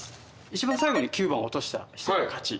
一番最後に９番落とした人が勝ち。